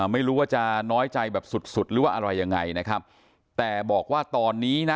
ไม่รู้ว่าจะน้อยใจแบบสุดสุดหรือว่าอะไรยังไงนะครับแต่บอกว่าตอนนี้นะ